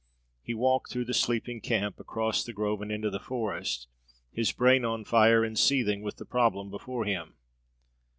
He walked through the sleeping camp, across the grove, and into the forest, his brain on fire and seething with the problem before him.